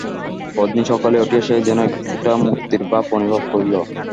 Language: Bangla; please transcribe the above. পরদিন সকালে উঠিয়া সে যেন একটা মুক্তির ভাব অনুভব করিল।